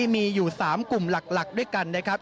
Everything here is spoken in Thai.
มีอยู่๓กลุ่มหลักด้วยกันนะครับ